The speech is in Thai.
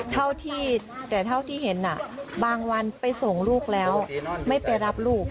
เท่าที่แต่เท่าที่เห็นบางวันไปส่งลูกแล้วไม่ไปรับลูก